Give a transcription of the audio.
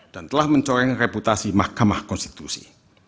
dan telah mencoreng reputasi mahkamah konstitusi